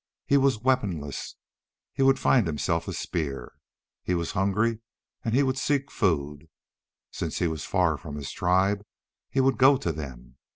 He was weaponless: he would find himself a spear. He was hungry and he would seek food. Since he was far from his tribe, he would go to them.